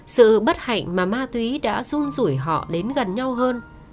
sự bất hạnh mà ma túy đã run rủi họ đến gần nhau hơn